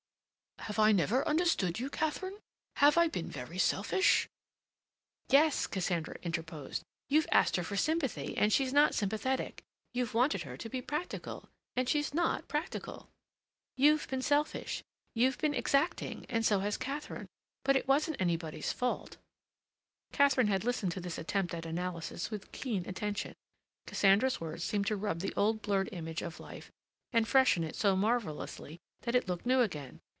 "Have I never understood you, Katharine? Have I been very selfish?" "Yes," Cassandra interposed. "You've asked her for sympathy, and she's not sympathetic; you've wanted her to be practical, and she's not practical. You've been selfish; you've been exacting—and so has Katharine—but it wasn't anybody's fault." Katharine had listened to this attempt at analysis with keen attention. Cassandra's words seemed to rub the old blurred image of life and freshen it so marvelously that it looked new again.